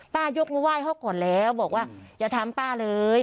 ยกมือไหว้เขาก่อนแล้วบอกว่าอย่าทำป้าเลย